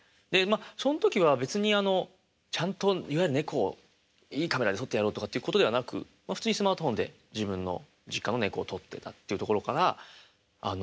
その時は別にあのちゃんといわゆる猫をいいカメラで撮ってやろうとかっていうことではなく普通にスマートフォンで自分の実家の猫を撮ってたっていうところから。